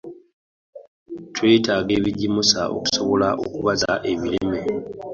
Twetaagayo ebigimusa okusobola okubaza ebirime.